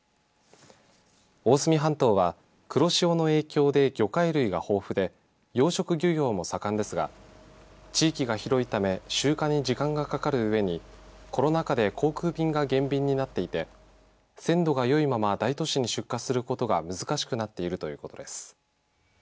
大隅半島は黒潮の影響で魚介類が豊富で養殖漁業も盛んですが地域が広いため集荷に時間がかかるうえにコロナ禍で航空便が減便になっていて鮮度がよいまま大都市に出荷することが難しくなっているということです。